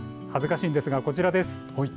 恥ずかしいんですが、こちらです。